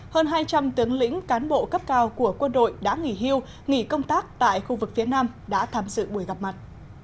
hơn hai trăm linh tướng lĩnh cán bộ cấp cao của quân đội đã nghỉ hưu nghỉ công tác tại khu vực phía nam đã tham dự buổi gặp mặt